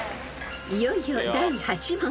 ［いよいよ第８問］